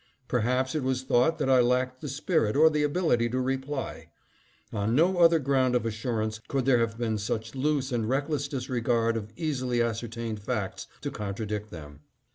" Perhaps it was thought that I lacked the spirit or the ability to reply. On no other ground of assurance could there have been such loose and reckless disregard of easily ascertained facts to contradict them.